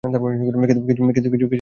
কিছু শুনতে পাচ্ছি না!